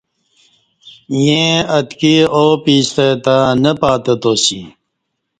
ییں اتکی ا و پیستہ تہ نہ پاتہ تا سی